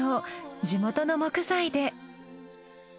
地元の木材で。